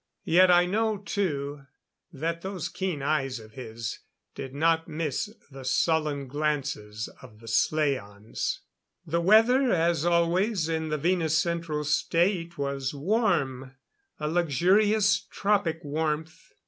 Yet I know too, that those keen eyes of his did not miss the sullen glances of the slaans. The weather, as always in the Venus Central State, was warm a luxurious tropic warmth.